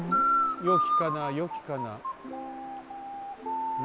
よきかなよきかなな。